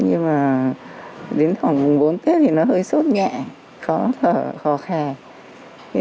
nhưng mà đến khoảng mùng bốn tết thì nó hơi sốt nhẹ khó thở khò khè